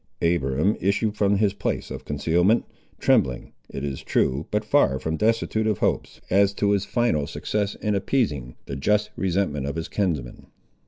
Abiram issued from his place of concealment, trembling, it is true, but far from destitute of hopes, as to his final success in appeasing the just resentment of his kinsman.